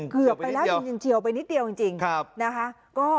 เกือบไปแล้วจริงเฉียวไปนิดเดียวจริงนะคะ